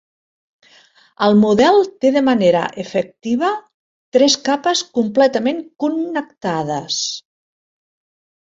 El model té de manera efectiva tres capes completament connectades.